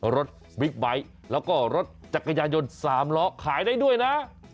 รถบิ๊กไบท์แล้วก็รถจักรยานยนต์๓ล้อขายได้ด้วยนะ